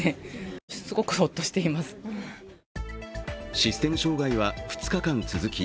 システム障害は２日間続き